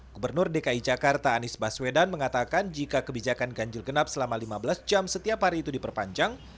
gubernur dki jakarta anies baswedan mengatakan jika kebijakan ganjil genap selama lima belas jam setiap hari itu diperpanjang